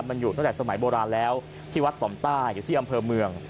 มันอยู่ตั้งแต่สมัยโบราณแล้วที่วัดต่อมใต้อยู่ที่อำเภอเมือง